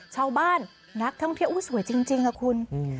ชาวบ้านนักท่องเที่ยวสวยจริงค่ะคุณ